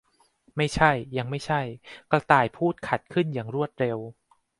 ไม่ใช่ ยังไม่ใช่ ! กระต่ายพูดขัดขึ้นอย่างรวดเร็ว